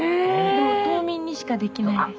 でも島民にしかできないです。